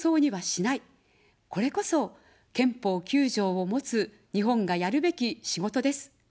これこそ、憲法９条を持つ日本がやるべき仕事です。